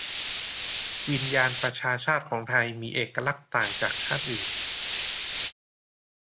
'วิญญาณประชาชาติของไทยมีเอกลักษณ์ต่างจากชาติอื่น'